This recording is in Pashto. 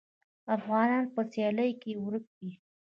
افغانان په سیالۍ کې ورک دي.